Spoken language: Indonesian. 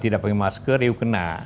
tidak pakai masker yuk kena